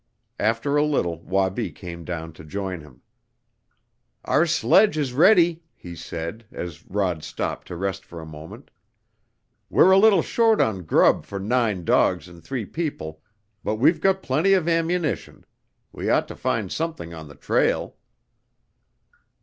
After a little Wabi came down to join him. "Our sledge is ready," he said, as Rod stopped to rest for a moment. "We're a little short on grub for nine dogs and three people, but we've got plenty of ammunition. We ought to find something on the trail."